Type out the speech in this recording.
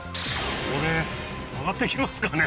これ上がっていきますかね？